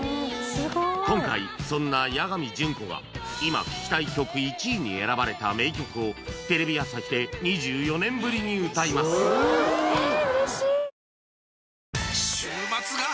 今回そんな八神純子が今聴きたい曲１位に選ばれた名曲をテレビ朝日で２４年ぶりに歌います週末が！！